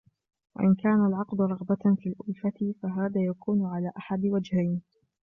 وَإِنْ كَانَ الْعَقْدُ رَغْبَةً فِي الْأُلْفَةِ فَهَذَا يَكُونُ عَلَى أَحَدِ وَجْهَيْنِ